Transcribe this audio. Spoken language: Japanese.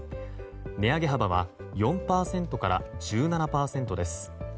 値上げ幅は４％から１７％です。